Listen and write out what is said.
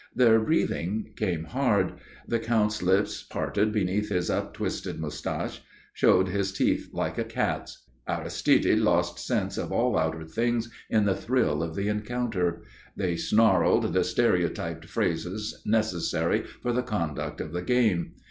Their breathing came hard. The Count's lips parted beneath his uptwisted moustache showed his teeth like a cat's. Aristide lost sense of all outer things in the thrill of the encounter. They snarled the stereotyped phrases necessary for the conduct of the game.